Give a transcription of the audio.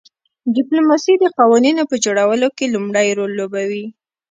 ډیپلوماسي د قوانینو په جوړولو کې لومړی رول لوبوي